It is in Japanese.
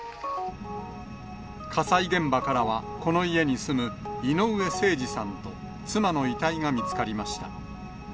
火災現場からは、この家に住む井上盛司さんと妻の遺体が見つかりました。